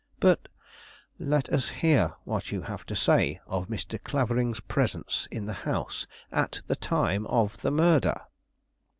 "But " "Let us hear what you have to say of Mr. Clavering's presence in the house at the time of the murder."